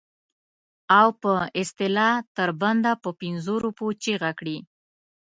او په اصطلاح تر بنده په پنځو روپو چیغه کړي.